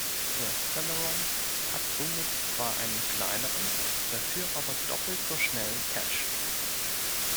Der Celeron hat somit zwar einen kleineren, dafür aber doppelt so schnellen Cache.